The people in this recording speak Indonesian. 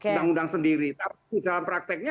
undang undang sendiri tapi dalam prakteknya